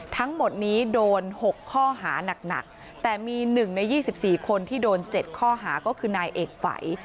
ทั้งหมดนี้โดน๖ข้อหานักแต่มี๑ใน๒๔คนที่โดน๗ข้อหาก็คือนายเอกฝัย